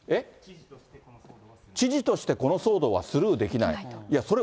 知事としてこの騒動はスルーできない。